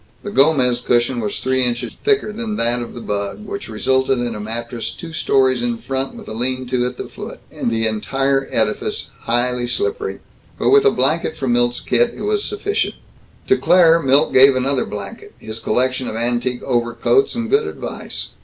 The Gomez cushion was three inches thicker than that of the bug, which resulted in a mattress two stories in front with a lean to at the foot, and the entire edifice highly slippery. But with a blanket from Milt's kit, it was sufficient. To Claire, Milt gave another blanket, his collection of antique overcoats, and good advice.